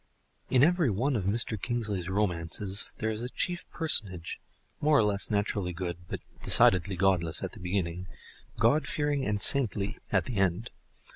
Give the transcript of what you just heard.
In every one of Mr. Kingsley's romances there is a chief personage, more or less naturally good but decidedly godless at the beginning, god fearing and saintly at the end.